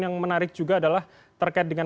yang menarik juga adalah terkait dengan